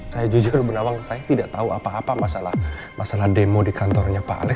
saya jujur benawang saya tidak tahu apa apa masalah demo di kantornya pak alex